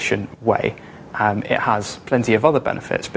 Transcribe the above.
kita akan berhasil mengurangi kostum